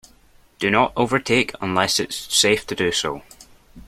Do not overtake unless it is safe to do so.